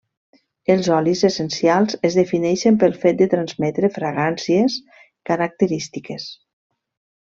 Els olis essencials es defineixen pel fet de transmetre fragàncies característiques.